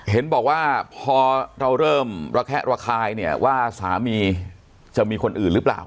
เห็นบอกว่าพอเราเริ่มระแคะระคายเนี่ยว่าสามีจะมีคนอื่นหรือเปล่า